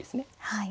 はい。